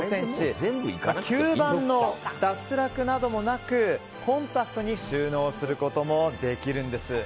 吸盤の脱落などもなくコンパクトに収納することもできるんです。